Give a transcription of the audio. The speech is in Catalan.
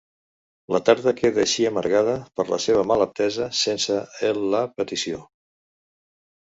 La tarda queda així amargada per la seva malaptesa sense en el la petició.